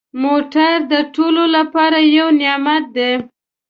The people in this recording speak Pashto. موټر د ټولو لپاره یو نعمت دی.